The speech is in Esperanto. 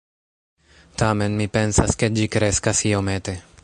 Tamen, mi pensas, ke ĝi kreskas iomete